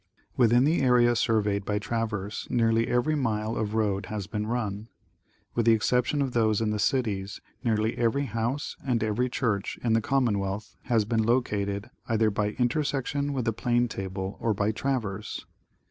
Within the area surveyed by traverse nearly every mile of road has been run. With the exception of those in the cities, nearly every house and every church in the commonwealth has been located, either by intersection with the plane table or by traverse.